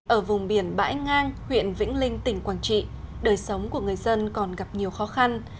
ở vùng biển bãi ngang huyện vĩnh linh tỉnh quảng trị đời sống của người dân còn gặp nhiều khó khăn